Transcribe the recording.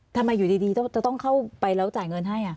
ทำไมอยู่ดีจะต้องเข้าไปแล้วจ่ายเงินให้